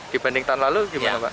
dibanding tahun lalu gimana pak